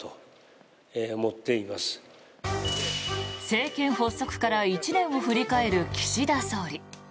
政権発足から１年を振り返る岸田総理。